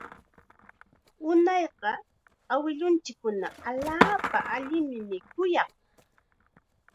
Unayqa awilunchikkuna allaapa allim mikuyaq